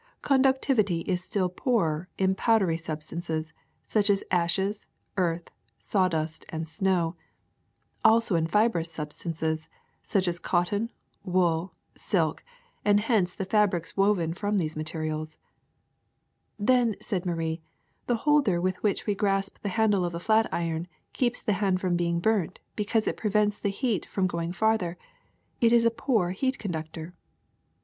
Conductivity is still poorer in powdery substances, such as ashes, earth, sawdust, and snow; also in fibrous substances, such as cotton, wool, silk, and hence the fabrics woven from these materials. '' Then,'^ said Marie, *'the holder with which we grasp the handle of a flat iron keeps the hand from being burnt because it prevents the heat from going farther. It is a poor heat conductor.